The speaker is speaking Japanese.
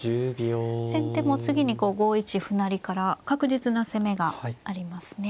先手も次に５一歩成から確実な攻めがありますね。